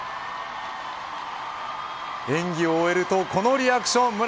演技を終えるとこのリアクション。